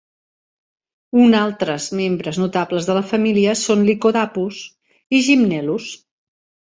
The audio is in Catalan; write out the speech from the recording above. Uns altres membres notables de la família són "Lycodapus" i "Gymnelus".